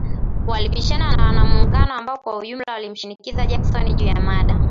Walipishana na wanamuungano ambao kwa ujumla walimshinikiza Jackson juu ya mada